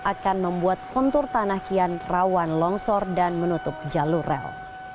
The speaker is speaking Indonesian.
akan membuat kontur tanah kian rawan longsor dan menutup jalur rel